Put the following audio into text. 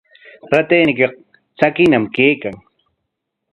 Ratayniykiqa tsakiñam kaykan.